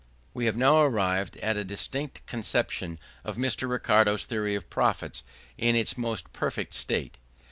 We have now arrived at a distinct conception of Mr. Ricardo's theory of profits in its most perfect state.